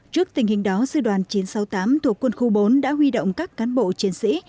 trước tình hình đó sư đoàn chín trăm sáu mươi tám thuộc quân khu bốn đã huy động các cán bộ chiến sĩ